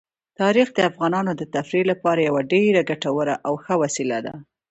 تاریخ د افغانانو د تفریح لپاره یوه ډېره ګټوره او ښه وسیله ده.